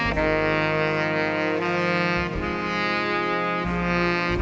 โปรดติดตามต่อไป